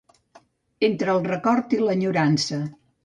Entre el record i l'enyorança.